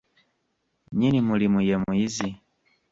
Nnyini mulimu ye muyizi.